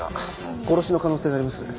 殺しの可能性があります。